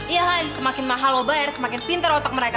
iya han semakin mahal lo bayar semakin pintar otak mereka